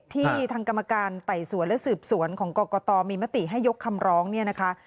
ทางกรรมการไต่สวนและสืบสวนของกรกตมีมติให้ยกคำร้องเนี่ยนะคะ